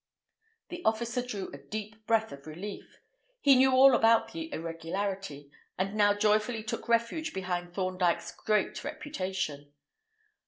The officer drew a deep breath of relief. He knew all about the irregularity, and now joyfully took refuge behind Thorndyke's great reputation.